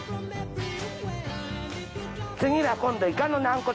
次は今度イカの軟骨。